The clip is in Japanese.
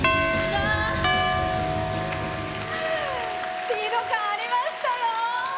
スピード感ありましたよ。